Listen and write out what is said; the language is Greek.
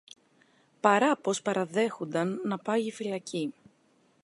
παρά πως παραδέχουνταν να πάγει φυλακή